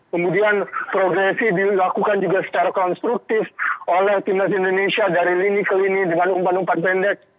kemudian progresi dilakukan juga secara konstruktif oleh timnas indonesia dari lini ke lini dengan umpan umpan pendek